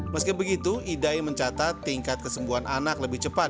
meski begitu idai mencatat tingkat kesembuhan anak lebih cepat